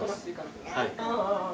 はい。